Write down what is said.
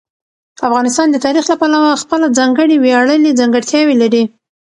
افغانستان د تاریخ له پلوه خپله ځانګړې ویاړلې ځانګړتیاوې لري.